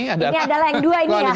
ini adalah yang dua ini ya